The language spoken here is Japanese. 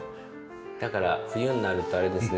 だから冬になるとあれですね。